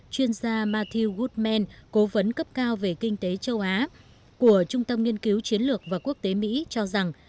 chuyên gia matthew goodman cố vấn cấp cao về kinh tế châu á của trung tâm nhiên cứu chiến lược và quốc tế mỹ cho rằng